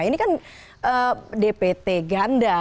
ini kan dpt ganda